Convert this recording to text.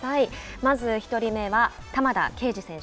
まず１人目は玉田圭司選手。